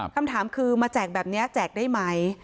คำถามคือมาแจกแบบนี้แจกได้ไหม